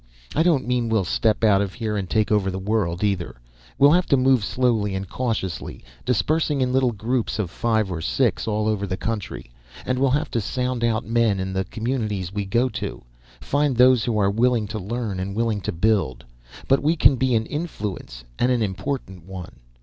I don't mean we'll step out of here and take over the world, either. We'll have to move slowly and cautiously, dispersing in little groups of five or six all over the country. And we'll have to sound out men in the communities we go to, find those who are willing to learn and willing to build. But we can be an influence, and an important one.